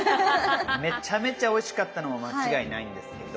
めちゃめちゃおいしかったのは間違いないんですけど。